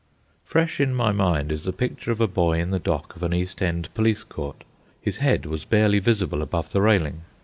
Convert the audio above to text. Fresh in my mind is the picture of a boy in the dock of an East End police court. His head was barely visible above the railing.